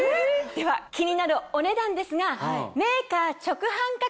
では気になるお値段ですが。